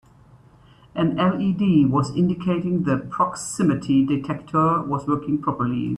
An LED was indicating the proximity detector was working properly.